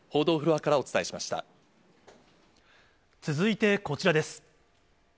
続いてこちらです。